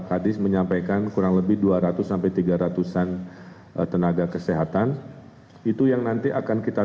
hadis menyampaikan kurang lebih dua ratus sampai tiga ratus an tenaga kesehatan itu yang nanti akan kita